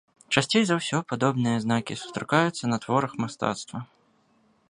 Часцей за ўсё падобныя знакі сустракаюцца на творах мастацтва.